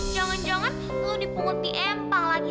jangan jangan tuh dipungut di empang lagi